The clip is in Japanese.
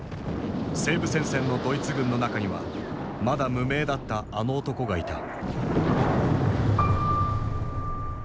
西部戦線のドイツ軍の中にはまだ無名だったあの男がいた。